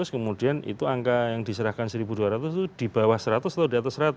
seribu dua ratus kemudian itu angka yang diserahkan seribu dua ratus itu di bawah seratus atau di atas seratus